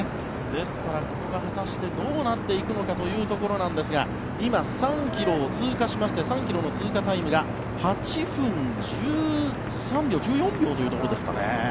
ですから、ここが果たしてどうなっていくかですが今、３ｋｍを通過しまして３ｋｍの通過タイムが８分１４秒というところですかね。